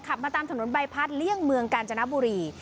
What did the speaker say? มาตามถนนใบพัดเลี่ยงเมืองกาญจนบุรี